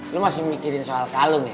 lo masih mikirin soal kalung ya